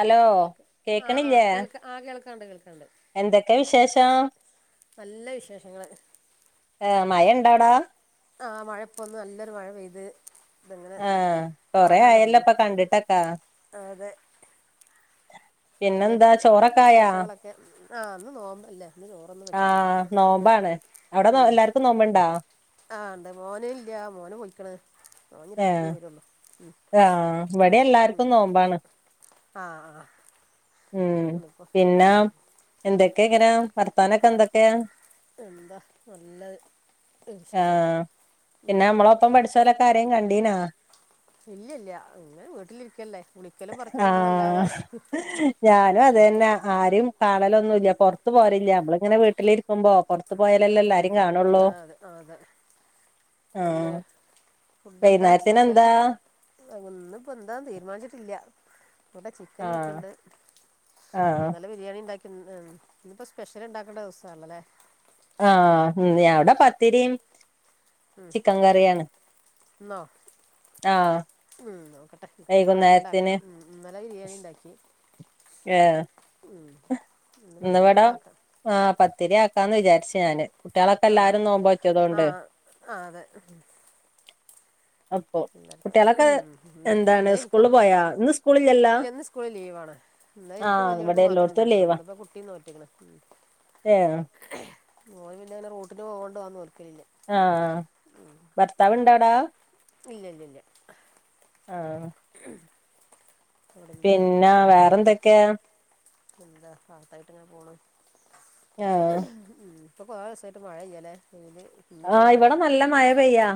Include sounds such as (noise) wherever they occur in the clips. Hello ഇതൊക്കെ ആഹ് ആഹ് കേക്കണില്ലേ കേൾക്കാ ആഹ് കേൾക്കാണ്ട് കേൾക്കാണ്ട് എന്തൊക്കെ വിശേഷം നല്ല വിശേഷങ്ങള് ഏഹ് മഴ ഇണ്ടാവിടെ ആഹ് മഴ ഇപ്പൊന്ന് നല്ലൊരു മഴ പെയ്ത് ഇതങ്ങട് ആ കൊറേ തോരാൻ ആയല്ലോ തുടങ്ങുന്നു ഇപ്പൊ കണ്ടിട്ടൊക്കാ ആഹ് അതെ പിന്നെ പിന്നെന്താ ചോറക്കായാ വിശേഷങ്ങളൊക്കെ ആ ഇന്ന് നോമ്പല്ലേ ഇന്ന് ചോറൊന്നും വെച്ചിട്ടില്ല ആഹ് നോമ്പാണ് അവിടെ എല്ലാർക്കും നോമ്പ്ണ്ടാ ആഹ് ഉണ്ട് മോന് ഇല്ല മോന് പോയിക്കണ് ഓൻ ഇനി ആ രാത്രിയേ വരുള്ളൂ ഉം ആ അങ്ങനെ ഇവിടെ ഉം എല്ലാർക്കും നോമ്പാണ് ആഹ് ഉം പിന്നെ എന്തൊക്കെയങ്ങനെ വർത്താനൊക്കെ എന്തൊക്കെ എന്താ നല്ല വിശേഷങ്ങള് ആഹ് പിന്നെ നമ്മളൊപ്പം പഠിച്ചോലൊക്കാരേം കണ്ടീനാ ഇല്ല ഇല്ല ഇങ്ങനെ വീട്ടിലിരിക്കല്ലേ വിളിക്കലും ആ പറച്ചലുണ്ട്ന്നല്ലാതെ ഞാനും അത് തന്നെ ആരേം കാണലൊന്നുല്ല പുറത്ത് പോവാറില്ല നമ്മളിങ്ങനെ വീട്ടിലിരിക്കുമ്പോ പുറത്ത് പോയലല്ലേ എല്ലാരേം കാണുള്ളൂ ആഹ് അതെ അതെ പിന്നെ ആഹ് ഫുഡ് എന്താ വൈന്നേരത്തിന് എന്താ സ്പെഷ്യല് ഒന്നും ഇപ്പോ എന്താ തീരുമാനിച്ചട്ടില്ല ഇവിടെ ചിക്കൻ ആഹ് ഇരിക്കണ്ട് ആഹ് ഇന്നലെ ബിരിയാണി ഉണ്ടാക്കി ഇന്നിപ്പോ സ്പെഷ്യൽ ഉണ്ടാക്കേണ്ട ദിവസാണല്ലേ ആഹ് അവിടെ പത്തിരിം ഉം ഇന്നോ ആഹ് ഉം നോ ഇവിടെ വൈകുന്നേരത്തിന് എന്നുണ്ടാക്കണം ഇന്നലെ ബിരിയാണി ഉണ്ടാക്കി. ഹെ ഉം ഇന്ന് പത്തിരിയൊക്കെ ആക്കാം ആഹ് പത്തിരിയാക്കാന്ന് വിചാരിച്ചേ ഞാന് കുട്ടിയോളൊക്കെ ആ എല്ലാരും ന്നോൽബ് നോറ്റ ആ തോണ്ട് ആ അതെ ഇന്നലെ ഉം ഇന്നലെ എന്താണ് എനിക്ക് സ്കൂളിൽ പോയാ ഇന്ന് സ്കൂളില്ലല്ലോ ഇല്ല ന്ന് സ്കൂള് ലീവാണ് ഇന്നലെ എനിക്കും ആഹ് വലിയൾക്കു ഇവിടെ എല്ലോടത്തും മാത്രമേയുണ്ടായിട്ടുള്ളൂ. ലീവാ ഇന്ന് ഇപ്പോ കുട്ടിയും നോട്ട്ന് മേനു ഏഹ് പിന്നെയിവിടെറൂട്ടിനുപോകുന്നത് കൊണ്ട് ഓൻ നോല്ക്കലില്ല ആഹ്.. ഭർത്താവുണ്ടോടാ.. ഇല്ലയില്ലയില്ല.. ആഹ് ഇവിടില്ല, പിന്നെ വേറെന്തൊക്കെയാ എന്താ ഭർത്താവായിട്ടിങ്ങനെ പോണു. ആഹ് ഇപ്പകുറേ ദിവസമായിട്ടുമഴയില്ലായല്ലേ പെയ്യുന്നേ... ആഹ് ഇവിടെനല്ല മഴ പെയ്യുവാ.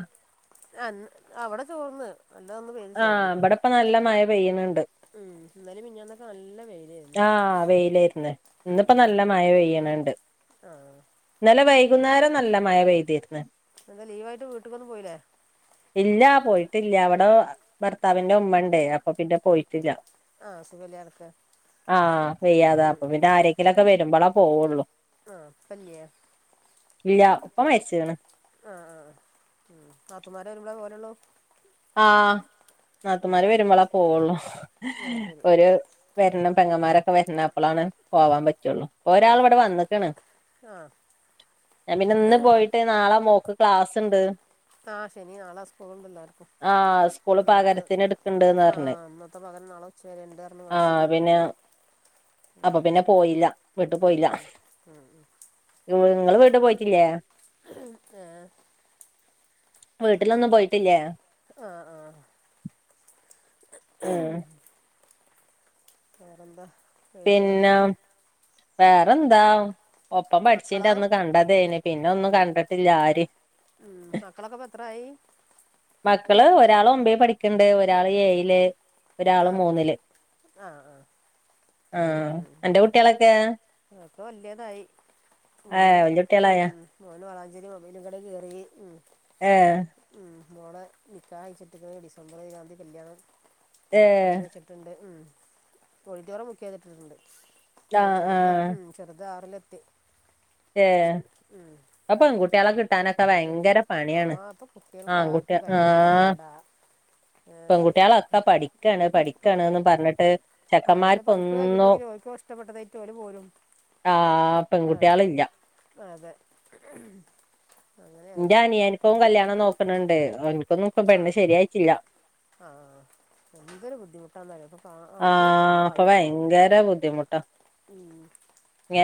ആഹ്.. ഇവിടെതോർന്നു. നല്ലതൊന്നു പെയ് ആഹ്.. ഇവിടെയിപ്പം നല്ല മഴ പെയ്യുന്നുണ്ട്. ഉം. ഇന്നലെ മിഞ്ഞാന്നൊക്കെ നല്ല വെയിലായിരുന്നു ആഹ്‌.. വെയിലായിരുന്നു ഉം, ഉം. ഇന്നിപ്പോനല്ല മഴ പെയ്യുന്നുണ്ട്. ആ ഇന്നലെ വൈകുന്നേരം നല്ലമഴ പെയ്തിരുന്നു. ഇന്നലെ ലീവായിട്ടു വീട്ടിലേക്കൊന്നും പോയില്ലേ? ഇല്ല, പോയിട്ടില്ല, ഇവിടെ ഭർത്താവിന്റെ ഉമ്മയുണ്ടേ, അപ്പൊ പിന്നെ പോയിട്ടില്ല. ആഹ് സുഖമില്ലാതെ കിടക്കയാണ് ആഹ്.. വയ്യാതാ, അപ്പംപിന്നെ ആരെങ്കിലുമൊക്കെ വരുമ്പോളാ പോവുള്ളൂ ആഹ്.. ഇപ്പ ല്ലേ ഇല്ല ഇപ്പമരിച്ച്കണ് ആഹ്.. നാത്തൂൻമാര് വരുമ്പാലെ പോകലുള്ളു ആഹ്.. നാത്തുൻമാരു വരുമ്പോളെ പോവുള്ളൂ ആ ശരി ഒരു.. വരുന്ന പെങ്ങന്മാരൊക്കെ വരണം അപ്പലെ പോവാൻ പറ്റുള്ളൂ. അതെ ഒരാളിവിടെ വന്നേക്കണ് ആ ഞാൻ പിന്നെയിന്നു പോയിട്ടുനാളെ മോൾക്ക് ക്ലാസ്സുണ്ട്. ആഹ്... ശനി, നാളെ സ്കൂളുണ്ടല്ലോ ആഹ് സ്കൂള് ഇന്നത്തെ പകരത്തിന് എടുക്ക്ണ്ട്ന്ന് പറഞ്ഞ് ആഹ്... ഇന്നത്തെ പകരം നാളെയുച്ചവരെ ഉണ്ട് എന്ന് പറഞ്ഞ് മാഷ് വിട്ടിട്ടുണ്ട്. അപ്പപിന്നെപോയില്ല, ഉം വീട്ടുപോയില്ല ഉം ഉം ഉം നിങ്ങളുവീട്ടു പോയിട്ടില്ലേ ആഹ് വീട്ടിലൊന്നും പോയിട്ടില്ലേ ആഹ് ആഹ് ഉം വേറെന്താ വിവരങ്ങള് പിന്നെ വേറെന്താ ഒപ്പം മക്കളോ പഠിച്ചതിന്റെയന്നു കണ്ടതേന് പിന്നെയൊന്നും കണ്ടിട്ടില്ലആരേയും ഉം മക്കളൊക്കെയിപ്പ മെത്രയായി മക്കളുഒരാളൊമ്പതിൽ പഠിക്കണുണ്ട്ഒരാള് ഏഴില് ഒരാളുമൂന്നില് ആഹ് ആഹ് ആഹ് അന്റെ കുട്ടികളൊക്കെയോ അതൊക്കെവല്യയതായി മോന് വല്യ ഉം കുട്ടികളായ മോനു വളാഞ്ചേരി മൊബൈൽ കടയിൽ കയറി ഏ.. ഉം.. മോളെ നിക്കാഹ്‌ കഴിച്ചിട്ട് ഡിസംബർ ഏഴാം തിയതി കല്യാണം ആഹ് പറഞ്ഞു വചിരി ഉണ്ട്. ഉം ഓഡിറ്റോറിയം ബുക്കുചെയ്തിട്ടിട്ടുണ്ട് ഒരു ചെറുത് ആഹ് ഉം ചെറുതാറിലെത്തി ഏ. ഇപ്പപെൺകുട്ടികളെ കിട്ട കിട്ടാനൊക്കെ അങ്ങനൊക്കെ പോ ഭയങ്കര ആ പണിയാണ് ഇപ്പൊ കുട്ടികൾക്ക് ആൺകുട്ടി ആർക്കും കല്യാണം ആഹ് വേണ്ട ഏ പെൺകുട്ടികളൊക്കെ പഠിക്കയാണ് പഠിക്കയാണെന്നു പറഞ്ഞിട്ട് ആഹ് പിന്നെ പഠിപ്പു ചെക്കന്മാർക്കൊന്നും കിയുമ്പോളേത്തിനുംഓരോരുത്തർക്കുമിഷ്ടപ്പെട്ടതായിട്ടു ഓരുപോരും ആഹ് പെൺകുട്ടികളില്ല. അതെ അങ്ങനെ എന്റെ ആയിപ്പോ അനിയനിക്കും കല്യാണം നോക്കണണ്ട് അവനിക്കും പെണ് ശരിയായിട്ടി യിട്ടില്ല ആ എന്ത് ഒരു ബുദ്ധിമുട്ടാന്നാ പ്പോ ഇപ്പം ആ ആൺകുട്ടികള് പാവാമായി ഇപ്പോൾ ഭയക്കര ബുദ്ധിമുട്ടആ ഉം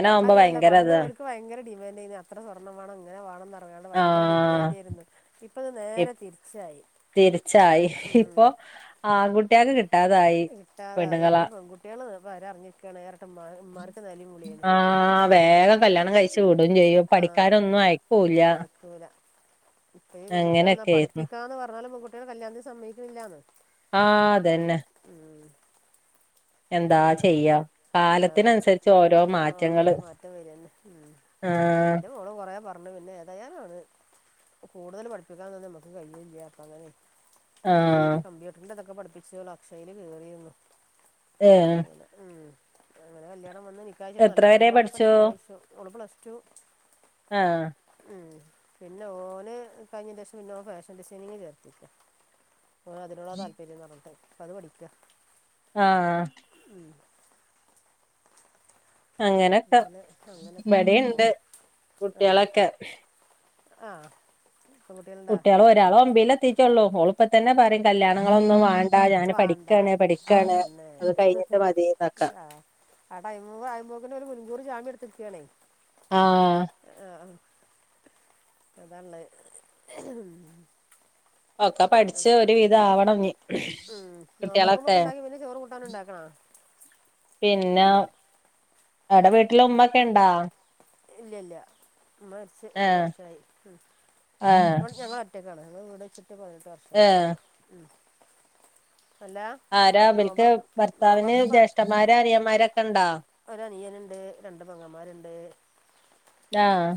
പണ്ട് അങ്ങനല്ല ഭയങ്കര പണ്ട് ഇതാണ് ഒരുക്ക് ഭയങ്ക ഡിമാൻഡയിനി അത്ര സ്വർണം വേണം ഇങ്ങനെ വേണംന്ന് പറിയാണ്ട് ഭയങ്ക ആഹ് ഡിമാൻഡ് ഇപ്പത് നേരെ തീരിച്ചായി തിരിച്ചായി ഇപ്പൊ ആൺകുട്ടിയക്ക് കിട്ടാതായി പെണ്ണുങ്ങള കുട്ടികള് പെര നിറഞ്ഞിക്കുകയാണ് ഇരട്ട്മാർക്ക് ഇവമ്മാർക്ക് നല്ല ആഹ് വേഗം കല്യാണം കഴിച്ചു വിടുകയും ചെയ്യും പഠിക്കാനൊന്നും അയക്കൂല്ല ല ഇപ്പ ഈ പെൺകുട്ടികൾ എന്ന അങ്ങനെയൊക്കെ ആയിരുന്നു പഠിപ്പിക്കാന്ന് പറഞ്ഞാല പെൺകുട്ടികൾ കല്യാണത്തിന് സമ്മക്കിക്കുന്നില്ലാന്ന് ആഹ് അതന്നെ ഉം എന്താ ചെയ്യാ ആ അതെ കാലത്തിനനുസരിച്ച് ഓരോ മാറ്റങ്ങള് ഓരോരോ മാറ്റം വരു വന്നെ ഉ ആഹ് എന്റെ മോള് കൊറേ പറ പിന്നെ ഏതായാലാണ് അവള്കൂടുതൽ പഠിപ്പിക്കാൻ നമുക്ക് കഴിയുല്ലപ്പ അങ്ങനെ ആഹ് കമ്പ്യൂട്ടറിൻ്റെ അതൊക്കെ പഠിപ്പിച്ച് വല്ല അക്ഷയിൽ കയറിരുന്നു ഏഹ് അങ്ങനെ ഉ അങ്ങനെ കല്യാണം വന്ന് നിക്കാഹ് നല്ല എത്ര വരെ കുടുംബം ആണ് കണ്ടപ്പോൾ പഠിച്ചു നിക്കാഹ് കഴിച്ചു ഓള് പ്ലസ്ടു ആഹ് ഉം പിന്നെ ഓന് കഴിഞ്ഞ (unintelligible) പിന്നെ ഫാഷൻ ഡിസൈനിങ് ചേർത്തു (inaudible) ഇപ്പൊ അതിനുള്ള താല്പര്യമെന്ന് പറഞ്ഞിട്ട് അത് പഠിക്കുക ആഹ് ഉം അങ്ങനൊക്കെ അങ്ങനെ അങ്ങനെയൊക്കെ അങ്ങനെ ഇവിടെയുണ്ട് പോണ് ആഹ് കുട്ടികളൊക്കെ ആഹ് പെൺകുട്ടികളുണ്ടാ കുട്ട്യാള് ഒരാള് ഒമ്പെയിൽ എത്തിട്ടൊള്ളു ഓള് ഇപ്പൊ തന്നെ പറയും കല്യാണങ്ങളൊന്നും വാണ്ട ഞാൻ വാണ്ട പഠിക്കാണ് പഠിക്കാണ് അതന്നെ അത് കഴിഞ്ഞിട്ട് മതിന്നൊക്കെ ആഹ് ആ ടൈം ആകുമ്പോഴ്‌ക്കിനും ഒരു മുൻകൂർ ജമ്യം എടുത്തിരിക്കാണേ ആഹ് ആഹ് അതാള്ളത് ഒക്കെ പിന്നെ പഠിച്ച് ഒരു വിധം ആവണം ഇനി ഉം നോമ്പൊറപ്പ്മ്മെ ഒക്കെ ഉണ്ടാക്കി പിന്നെ ചോറ് കൂട്ടാനും ഇണ്ടാക്കണാ പിന്നെ അവിടെ വീട്ടില് ഉമ്മക്കെ ഇണ്ടാ ഇല്ല ഇല്ല ഉമ്മ മരിച്ച് മൂന്ന് ഏഹ് വർഷായി ഉം ഏഹ് ഞങ്ങള് ഒറ്റക്കാണ് ഞങ്ങൾ വീട് വച്ചിട്ട് പതിനെട്ട് വർഷം വരെ ഏഹ് ഉം അല്ലാ ആരാ ഇവല്ക്ക് ഭർത്താവിന് ജ്യേഷ്ഠന്മാരും അനിയന്മാരൊക്കെ ഇണ്ടാ ഒരു അനിയന്ണ്ട് രണ്ട് പെങ്ങന്മാര്ണ്ട് ആഹ്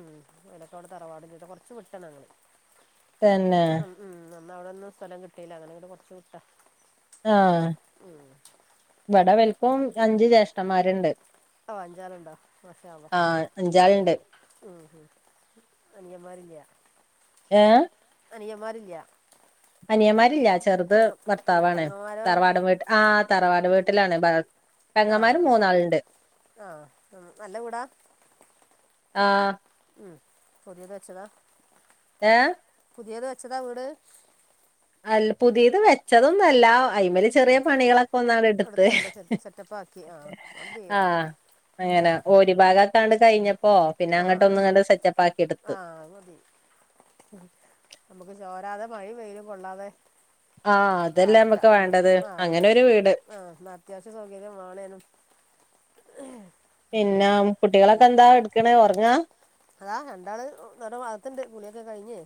ഉം ഓലൊക്കെ അവടെ തറവാടിന്റെടുത്ത കുറച്ച് വിട്ടാ ഞങ്ങൾ തന്നെ മം അന്ന് അവിടൊന്നും സ്ഥലം കിട്ടീല അങ്ങനെ ഇങ്ങട് കുറച്ച് വിട്ട ആഹ് ഇവിടെ ഇവല്ക്കും പിന്നെ അഞ്ചു ജേഷ്ഠന്മാരുണ്ട് ഓഹ് അഞ്ചാള്ണ്ടോ മാഷാ അല്ലാഹ് ആഹ് അഞ്ചാള്ണ്ട് ഉം ഉം അനിയന്മാരില്ല ഏഹ് അനിയന്മാര് ഇല്ല അനിയന്മാരില്ല ചെറുത് ഉം ഭർത്താവാണ് പെങ്ങന്മാരോ തറവാട് വീട്ട് ആഹ് താറവാട് വീട്ടിലാണ് ആഹ പെങ്ങന്മാര് മൂന്നാളുണ്ട് ആഹ് ആഹ ഉം നല്ല വീടാ ആഹ് ഉം പുത്യേത് വെച്ചതാ ഏഹ് പുത്യേത് വെച്ചതാ വീട് അല് പുത്യേത് വെച്ചതൊന്നുംല്ല അയിമ്മെല് ചെറിയ ഉം പണികളൊക്കെ ഒന്നണ്ട് എടുത്ത് എടുത്താണ്ട് സെറ്റപ്പാക്കി ആഹ് മതി ആഹ അങ്ങനെ ഓരി ഭാഗക്കാണ്ട് കഴിഞ്ഞപ്പോ പിന്നെ ആഹ് അങ്ങട്ട് ഒന്ന് ആഹ് ഇങ്ങട്ട് സെറ്റപ്പ് ആക്കി ആഹ് ഇടുത്ത് ആഹ് അത്‌ മതി നമുക്ക് ചോരാതെ മഴിം വെയിലും കൊള്ളാതെ ആ അതല്ലേ പാർക്ക നമ്മക്ക് ഉം വേണ്ടത് ആഹ് അതെ അങ്ങനെ ഒരു വീട് ആഹ് അത്യാവശ്യം സൗകര്യം വേണേനു പിന്നെ കുട്ടികളൊക്കെ എന്താ ഇടുക്ക്‌ണ് ഒറങ്ങാ അതാ രണ്ടാള് ന അകത്ത്ണ്ട് കുളിയൊക്കെ കഴിഞ്ഞ്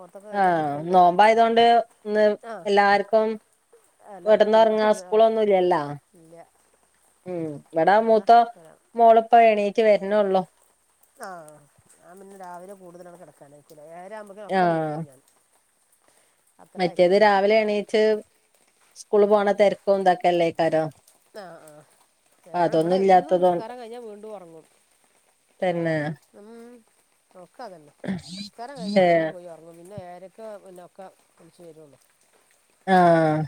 ഓർത്തൊക്കെ കഴിഞ്ഞോണ്ട് ആഹ് ഇരിക്കണ്ട് ഉം നോമ്പായതോണ്ട് ഇന്ന് ആഹ് എല്ലാർക്കും എല്ലാവർക്കും കെടന്ന് ഉറങ്ങാ ലീവാണ് ആഹ് സ്കൂളൊന്നും ഇല്ലല്ലോ ഇല്ല ഉം ഇവിടെ അതാ മൂത്ത തരാം മോളിപ്പോ എണീറ്റ് വര്ണ് ഒള്ളൂ ആഹ് ഞാൻ പിന്നെ രാവിലെ കൂടുതലണ്ട് കെടക്കാൻ അയിക്കൂല ഏഴര ആവുമ്പോക്കും ഒക്കെ ആഹ് നീപ്പിക്കും ഞാൻ അത്രേ മറ്റേത് ആയിക്കോള്ളൂ രാവിലെ എണീച്ച് സ്കൂള് പോണ തിരക്കും ഇതൊക്കെല്ലേക്കാരം ആഹ് ആഹ് എവിടെ ഇവിടെ അതൊന്നും എന്നും ഇല്ലാത്തതോ നിസ്കാരം കഴിഞ്ഞാൽ വീണ്ടും ഉറങ്ങും തന്നെ അതാണ് ഉം ഒക്കതന്നെ നിസ്കാരം കഴിഞ്ഞാൽ വീണ്ടും പോയി ഒറങ്ങും പിന്നെ ഏഴരെക്കെ പിന്നെ ഒക്കെ എണീച്ച് വെരൊള്ളൂ ആഹ്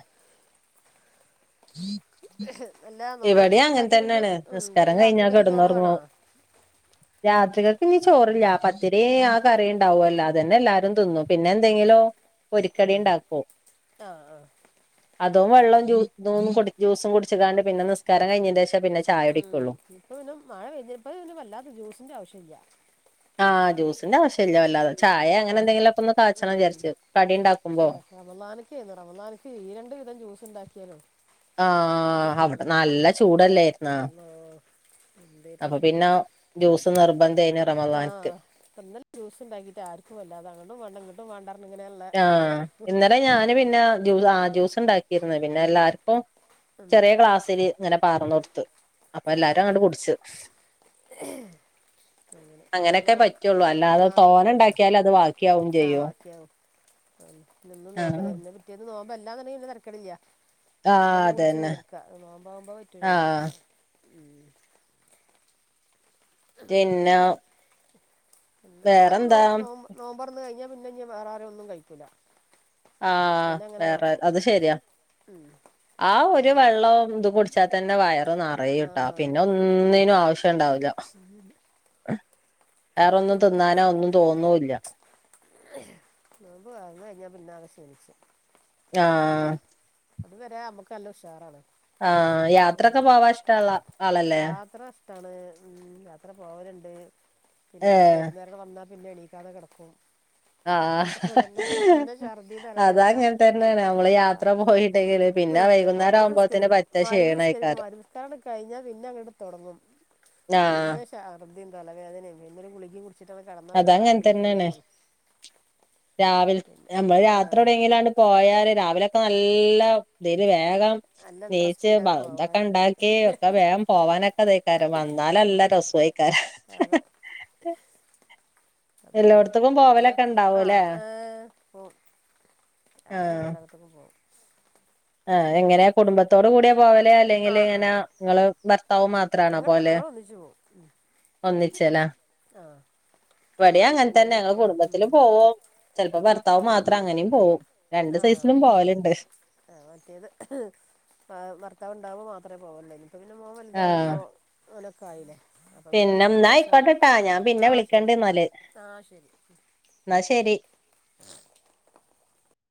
എല്ലാ ഇവിടേം നോമ്പറക്കുമ്പോൾ അങ്ങനെ ഉണ്ടാക്കി പിന്നെ തന്നാണ് ഉം, പിന്നെ നിസ്കാരം കഴിഞ്ഞാൽ രാത്രിക്കൊക്കെ ചോറ് വേണോ കിടന്നുറങ്ങും (unintelligible) രാത്രിക്കക്ക് ഇനി ചോറില്ല പത്തിരി ആ കറിണ്ടാവൊല്ലോ അതെന്നെ എല്ലാരും തിന്നും പിന്നെ എന്തെങ്കിലോ പോരിക്കടി ഉം, ഉണ്ടാക്കൂ ആ ആ അതും ഉം, വെള്ളവും ചൂ ഇതന്നും ജൂസും കുടിച്ചതാണ്ട് പിന്നെ നിസ്കാരം കഴിഞ്ഞന്റെ ശം ഉം ഇപ്പൊ ഇന്നെ മഴ പെയതിപ്പന്നെ വല്ലാത്തെ ജ്യൂസിന്റെ ആവശ്യം ഇല്ല ആഹ് ജൂസിന്റെ ആവശ്യ ഇല്ല വല്ലാതെ ചായയ ആ, അങ്ങനെ എന്തെങ്കിലുമൊക്കെ ഒന്ന് കാച്ചണം വിചരിച്ച് കടി ഉണ്ടാക്കുമ്പോ? റമളാനിക്ക്, റമളാനിക്ക് ഈരണ്ട് വീതം ജ്യൂസ് ഉണ്ടാക്കിയാലോ എന്താ ആഹ് അവിടെ ഉം, നല്ല ചൂടല്ലേർന്നാ അല്ലാ, അപ്പൊ എന്തായിരുന്നു പിന്നാ ജ്യൂസ് നിർബന്ധേനു ആഹ്പ ഇനലൊ ജൂസ്‌ ഉണ്ടാക്കിട്ട് ആർക്കും വല്ലാതെ അങ്ങട്ടും വേണ്ട ഇങ്ങ- ട്ടും വേണ്ടാർന്ന ഇങ്ങനെള്ള ഇതിലെർന്നു പിന്ന ജൂ ആ ജ്യൂസ് ഉണ്ടാക്കിർന്നു പിന്നെ എല്ലാർക്കും ചെറിയ ഗ്ലാസ്സില്. ഇങ്ങനെ പാറന്ന് കൊടുത്ത് അപ്പൊ എല്ലാരും അങ്ങണ്ട് കുടിച്ച് ഉ (unintelligible) അങ്ങനെ അങ്ങനെയൊക്കെ അങ്ങനെ പറ്റുള്ളൂ അല്ലാതെ ആ തോനെ പറ്റുള്ളോ ഉണ്ടാക്കിയാൽ അത് ബാക്കിയാവും ആ ചെയ്യും ബാക്കിയവും. നിന്ന് ആഹ് നോമ്പ്ആലൊ പിറ്റേന്ന് നോമ്പ് എല്ലാന്ന്ടകി തരക്കൊടില്ല. അപ്പൊ ആഹ് നമ്മക്ക് കുടിച്ചു അതന്നെ തീർക്ക നോമ്പ് ആവുമ്പോ പറ്റൂലല്ലോ? ആഹ് പിന്നാ പിന്ന ഇവിടാ നോ നോ നോമ്പോർന്ന് കഴിഞ്ഞാൽ പിന്നെ ഇന്നി വേറാരും ഒന്നും കഴിക്കൂല്ലാ. ആഹ് വേറെ അത് ശരിയാ ഉം ആ ഒരു പിന്നെ വെള്ളം ഇത് കുടി- ച്ചാ തന്ന വയറ് നറയുട്ടാ ആഹ് പിന്നൊന്നിനും ആവശ്യംണ്ടാവൂല്ലാ. (inaudible) വേറൊന്നും ഇതൊക്കെ തിന്നാനോ ഒന്നും തോന്നൂല്ല. നോമ്പ് തൊർന്ന് കഴിഞ്ഞാ പിന്നാകൊ ക്ഷീണിച്ച്. ആഹ് അത് വരെ നമ്മുക്കല്ല ഉഷാറാണ്. ആഹ് യാത്രൊക്കെ പോവാൻ ഇഷ്ടള്ള ആളല്ലേ? ഷ്ട്ടാണ് ഉം യാത്ര പോവല്ണ്ട് പിന്നെന്താ ഏഹ് വൈകുന്നേ ഇവടെ വന്നാ പിന്നെ എണീക്കാതെ കെടക്കും. ആഹ് ഛർദി തലവേദന അതങ്ങനെ തന്നാണ് നമ്മള് യാത്ര പോയിണ്ടെങ്കില്. ആ അതെ മഹ്രിബ് നിസ്കരിക്കും ക്ഷീണേക്കാരം മഹരിബ് നിസ്കാരം‌ കഴിഞ്ഞാൽ പിന്നെ അങ്ങോട്ട് തൊടങ്ങും ആഹ് ശർദിം തല വേദനിം പിന്നോര് ഗുളികിംകുടിച്ചിട്ട് അട്കടന്ന പിന്നെ നാല് അതങ്ങനെ മണിക് തന്നെയാണ് എണിക്കുളു. രാവിൽ നമ്മള് യത്രടൊങ്ങിങ്കട്‌ പോയാല് രാവിലൊക്കെ നല്ല ത്തില് വേഗം നല്ല ഇൻട്രസ്റ്റ് ണീച്ച് ആയിക്കാണ് പോവാന് ഭക്ഷണൊക്കെണ്ടാക്കി ഒക്കെ വേഗം പോവാനൊക്കെ തീക്കാലോ വന്നാലല്ലേ നല്ല രസംആയികരം. അതെ അതളത്‌ എല്ലോട്ത്ത്ക്കും ഉം പോവലൊക്കെ ഉണ്ടാവൂല്ലേ ആഹ് പോം ആഹ് യാത്രൊക്ക്‌ണ്ടാർന്നു (unintelligible) പോ ആഹ് എങ്ങനെ കുടുംബത്തോട് കൂടിയാ പോവല് അല്ലെങ്കിൽ ആഹ് ഇങ്ങനെ ആഹ് ആഹ് നിങ്ങള് ആഹ് ഭർത്താവ് ഞങ്ങള് ഞങ്ങളൊന്നിച്ച് പോവും (inaudible) ഒന്നിച്ച്ലേ ആഹ് ഇവിടിം അങ്ങനെ തന്നെ ഇക്കണ്ടെങ്കി ഞങ്ങള് ഇക്ക ഉം കുടുംബത്തില് പോവും. ചെലപ്പോ ഭർത്താവ് മാത്രം അങ്ങനിം പോവും രണ്ട് സൈസിലും പോവല്ണ്ട്. ആ മറ്റേത് ഭ ഭർത്താവ് ഇണ്ടാവുമ്പോൾ മാത്രേ പോവള്ളൂ ഇനിപ്പ പിന്നെ മോൻ വലുതായിപ്പോ ഓനൊക്കായില്ലേ പിന്നെന്നാ ആയിക്കോട്ടേട്ടാ ഞാൻ പിന്നെ ആഹ് ശരി വിളിക്ണ്ട്ന്നാല് ആഹ് ശരി എന്നാ ശെരി.